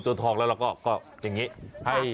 คุณดูท่านี่เหรออือหือหืออุ๊ย